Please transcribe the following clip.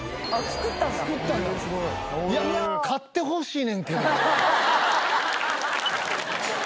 買ってほしいねんけど。